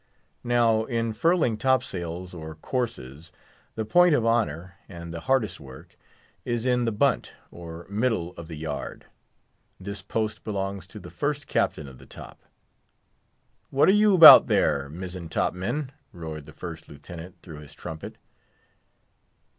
Now, in furling top sails or courses, the point of honour, and the hardest work, is in the bunt, or middle of the yard; this post belongs to the first captain of the top. "What are you 'bout there, mizzen top men?" roared the First Lieutenant, through his trumpet.